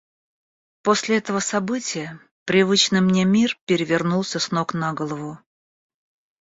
После этого события привычный мне мир перевернулся с ног на голову.